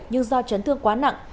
nhưng do chấn thương quá nặng